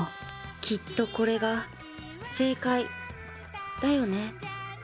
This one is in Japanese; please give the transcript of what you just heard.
きっとこれが正解だよね。